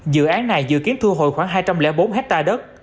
dự án này dự kiến thu hồi khoảng hai trăm linh bốn hectare đất